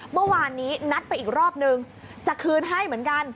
เมื่อวานนี้นัดไปอีกรอบนึงจะคืนให้เหมือนกัน